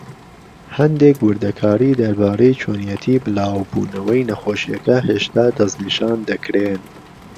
هەندێک وردەکاری دەربارەی چۆنیەتی بلاو بوونەوەی نەخۆشیەکە هێشتا دەسنیشان دەکرێن.